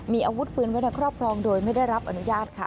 มีอาวุธปืนไว้ในครอบครองโดยไม่ได้รับอนุญาตค่ะ